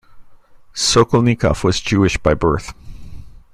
Sokolnikov was Jewish by birth.